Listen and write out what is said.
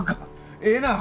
ええなぁ！